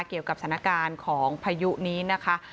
เกี่ยวกับสถานการณ์ของพายุนี้นะคะ